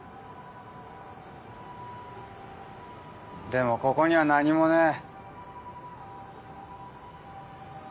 でもここには何もねえ。